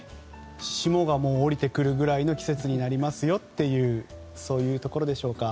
霜が降りてくるぐらいの季節になりますよというそういうところでしょうか？